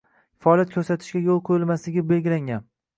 faoliyat ko‘rsatishiga yo‘l qo‘yilmasligi belgilangan.